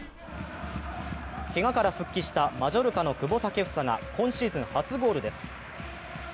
けがから復帰したマジョルカの久保建英が今シーズン初ゴールです。